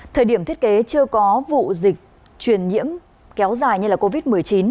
thời điểm thiết kế chưa có vụ dịch truyền nhiễm kéo dài như là covid một mươi chín